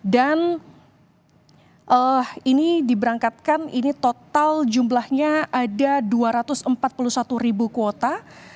dan ini diberangkatkan ini total jumlahnya ada dua ratus empat puluh satu ribu kuota